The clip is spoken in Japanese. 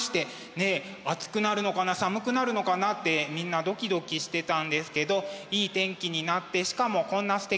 ねえ暑くなるのかな寒くなるのかなってみんなドキドキしてたんですけどいい天気になってしかもこんなすてきな場所で。